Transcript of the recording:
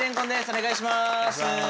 お願いします。